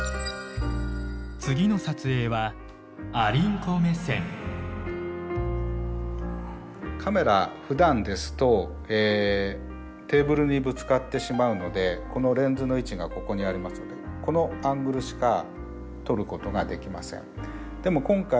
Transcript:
次の撮影はカメラふだんですとテーブルにぶつかってしまうのでこのレンズの位置がここにありますのでこのアングルしか撮ることができません。